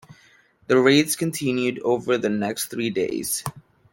The raids continued over the next three days.